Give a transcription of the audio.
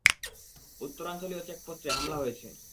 উত্তরাঞ্চলীয় চেকপোস্টে হামলা হয়েছে।